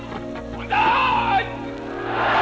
万歳！